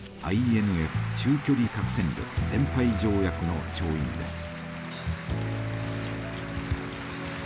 中距離核戦力全廃条約の調印です。